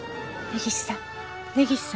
根岸さん。